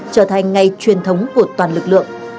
trở thành ngày truyền thống của chủ tịch hồ chí minh